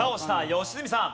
良純さん。